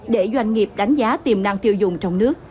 để doanh nghiệp đánh giá tiềm năng tiêu dùng trong nước